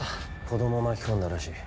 子ども巻き込んだらしい。